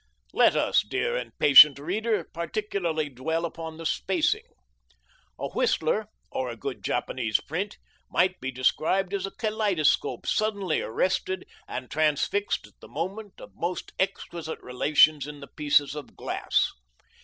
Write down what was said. Let us, dear and patient reader, particularly dwell upon the spacing. A Whistler, or a good Japanese print, might be described as a kaleidoscope suddenly arrested and transfixed at the moment of most exquisite relations in the pieces of glass.